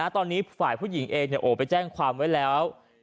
ตอนนี้ฝ่ายผู้หญิงเองไปแจ้งความไว้แล้ว